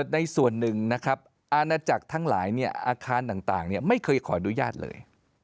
ในส่วนหนึ่งนะครับอาณาจักรทั้งหลายอาคารต่างไม่เคยขออนุญาตเลย